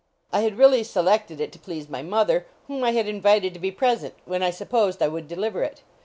I had really selected it to please my mother, whom I had invited to be present, when I supposed I would deliver it.